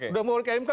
udah mau ke mk